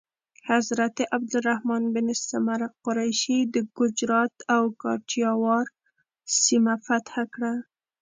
حضرت عبدالرحمن بن سمره قریشي د ګجرات او کاټیاواړ سیمه فتح کړه.